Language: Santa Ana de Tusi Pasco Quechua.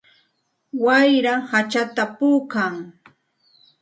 Wayra hachata puukan.